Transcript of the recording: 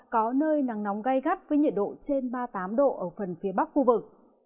có nơi nắng nóng gây gắt với nhiệt độ trên